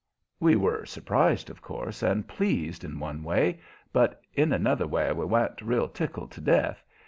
We were surprised, of course, and pleased in one way, but in another we wa'n't real tickled to death.